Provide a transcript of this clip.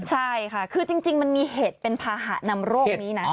ใช่ค่ะคือจริงมันมีเหตุเป็นภาหะนำโรคนี้นะ